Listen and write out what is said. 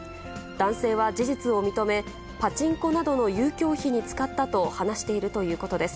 男性は事実を認め、パチンコなどの遊興費に使ったと話しているということです。